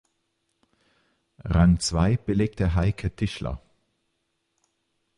Rang zwei belegte Heike Tischler.